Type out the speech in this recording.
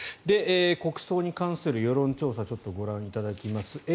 国葬に関する世論調査をご覧いただきます。